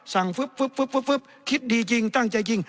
สั่งฟึ๊บคิดดีจริงตั้งใจจริง